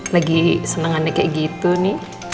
lagi senangannya kayak gitu nih